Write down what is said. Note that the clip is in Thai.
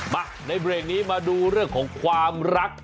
มาในเบรกนี้มาดูเรื่องของความรัก